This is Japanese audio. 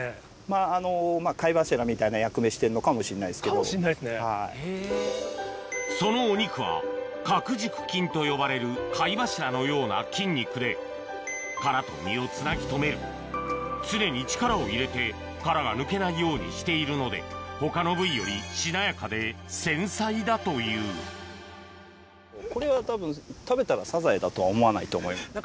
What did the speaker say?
マジっすか。というここはそのお肉は殻軸筋と呼ばれる貝柱のような筋肉で殻と身をつなぎ留める常に力を入れて殻が抜けないようにしているので他の部位よりしなやかで繊細だというこれはたぶん食べたら。